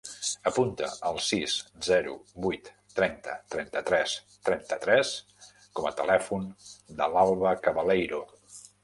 Apunta el sis, zero, vuit, trenta, trenta-tres, trenta-tres com a telèfon de l'Alba Cabaleiro.